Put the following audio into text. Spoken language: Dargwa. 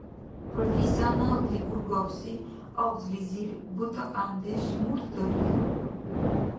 Профессионалти-ургабси абзлизир бутӀакьяндеш мурт дарри?